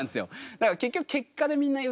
だから結局結果でみんな言ってて。